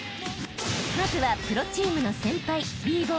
［まずはプロチームの先輩